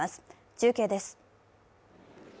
中継です。